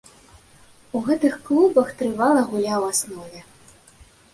У гэтых клубах трывала гуляў у аснове.